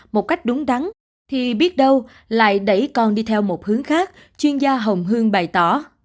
một cách đúng đắn thì biết đâu lại đẩy con đi theo một hướng khác chuyên gia hồng hương bày tỏ